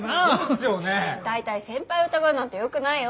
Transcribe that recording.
大体先輩を疑うなんてよくないよ。